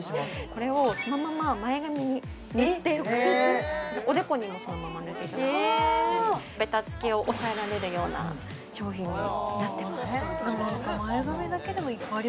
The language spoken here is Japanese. これをそのまま前髪に塗っておでこにもそのまま塗っていただけるベタつきを抑えられるような商品になってます